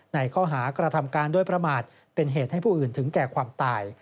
ในข้อหากระทำการโดยประมาทเป็นเหตุให้ผู้อื่นถึงแก่ความตาย